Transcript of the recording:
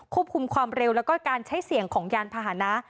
ความเร็วแล้วก็การใช้เสี่ยงของยานพาหนะ